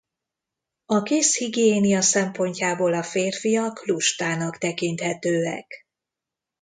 A kézhigiénia szempontjából a férfiak lustának tekinthetőek.